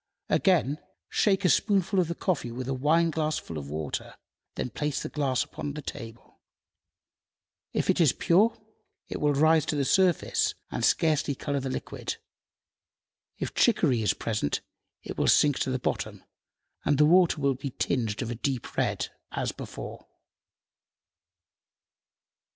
Again, shake a spoonful of the coffee with a wineglassful of water, then place the glass upon the table. If it is pure it will rise to the surface and scarcely color the liquid; if chicory is present it will sink to the bottom and the water will be tinged of a deep red as before."